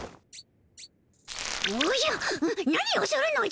おじゃ何をするのじゃ！